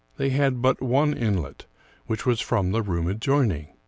They had but one inlet, which was from the room adjoining.